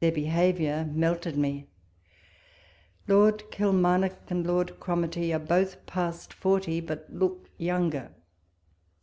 their behaviour melted me ! Lord Kil marnock and Lord Cromartie are both past forty, but look younger.